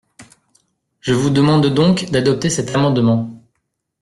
Je vous demande donc d’adopter cet amendement.